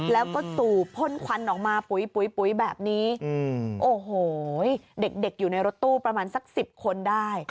แล้วก็สูบพ่นควันออกมาปุ๋ยแบบนี้โอ้โหเด็กอยู่ในรถตู้ประมาณสัก๑๐คนได้